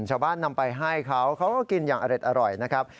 ชาวบ้านนำไปให้เขาเขาก็กินอย่างอร่อยนะครับ